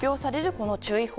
この注意報。